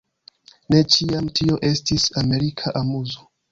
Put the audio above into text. Ne ĉiam tio estis amerika amuzo.